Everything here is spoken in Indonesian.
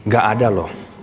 gak ada loh